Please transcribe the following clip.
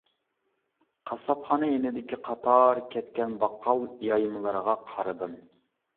قاسساپخانا يېنىدىكى قاتار كەتكەن باققال يايمىلىرىغا قارىدىم.